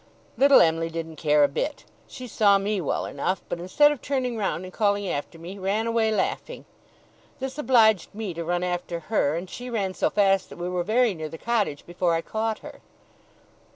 Little Em'ly didn't care a bit. She saw me well enough; but instead of turning round and calling after me, ran away laughing. This obliged me to run after her, and she ran so fast that we were very near the cottage before I caught her.